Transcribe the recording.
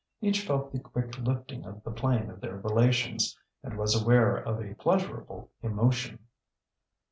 Each felt the quick lifting of the plane of their relations, and was aware of a pleasurable emotion.